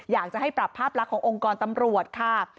อยากจะให้ปรับภาพลักษณ์ขององค์กรตำรวจค่ะ